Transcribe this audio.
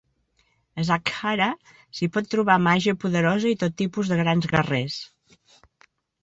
A Zakhara s'hi pot trobar màgia poderosa i tot tipus de grans guerrers.